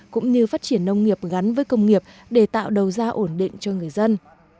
cũng như phát triển nông nghiệp gắn với công nghiệp để tạo đầu ra ổn định cho người dân